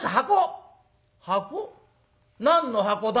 「箱？何の箱だ？」。